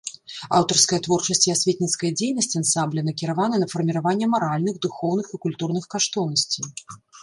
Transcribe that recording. Аўтарская творчасць і асветніцкая дзейнасць ансамбля накіраваны на фарміраванне маральных, духоўных і культурных каштоўнасцей.